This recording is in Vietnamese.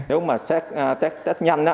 nếu mà xếp test nhanh